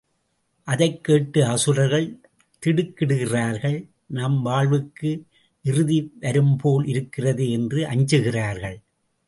அதைக் கேட்டு அசுரர்கள் திடுக்கிடுகிறார்கள் நம் வாழ்வுக்கு இறுதி வரும்போல இருக்கிறதே என்று அஞ்சுகிறார்கள்.